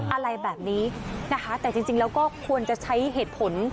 อะไรแบบนี้นะคะแต่จริงแล้วก็ควรจะใช้เหตุผล